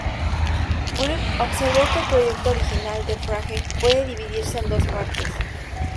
Wright observó que el proyecto original de Frege puede dividirse en dos partes.